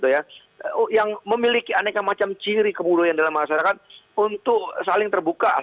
yang memiliki aneka macam ciri kebudayaan dalam masyarakat untuk saling terbuka